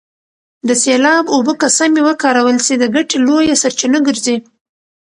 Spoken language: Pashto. د سیلاب اوبه که سمې وکارول سي د ګټې لویه سرچینه ګرځي.